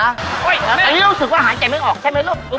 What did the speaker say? อันนี้รู้สึกว่าหายใจไม่ออกใช่ไหมลูก